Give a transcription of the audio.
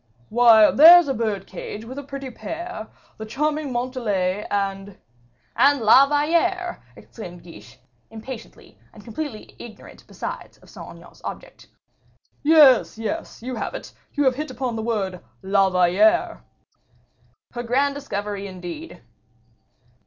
"Why, there's the birdcage, with a pretty pair, The charming Montalais, and..." "And La Valliere," exclaimed Guiche, impatiently, and completely ignorant besides of Saint Aignan's object. "Yes, yes, you have it. You have hit upon the word, 'La Valliere.'" "A grand discovery indeed."